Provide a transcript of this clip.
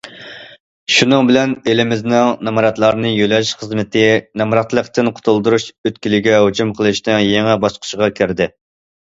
شۇنىڭ بىلەن، ئېلىمىزنىڭ نامراتلارنى يۆلەش خىزمىتى نامراتلىقتىن قۇتۇلدۇرۇش ئۆتكىلىگە ھۇجۇم قىلىشنىڭ يېڭى باسقۇچىغا كىردى.